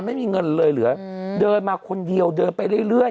ไม่มีเงินเลยเหลือเดินมาคนเดียวเดินไปเรื่อย